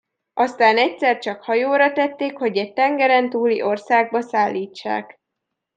Aztán egyszer csak hajóra tették, hogy egy tengeren túli országba szállítsák.